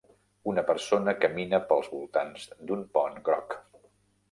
Una persona camina pels voltants d'un pont groc.